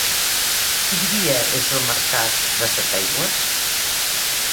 Quin dia és el mercat de Setaigües?